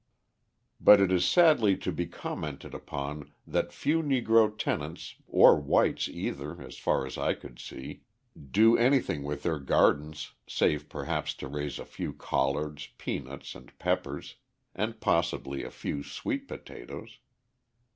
But it is sadly to be commented upon that few Negro tenants, or whites either, as far as I could see, do anything with their gardens save perhaps to raise a few collards, peanuts, and peppers and possibly a few sweet potatoes.